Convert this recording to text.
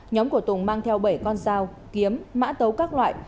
nhóm của tùng mang theo bảy con dao kiếm mã tấu các loại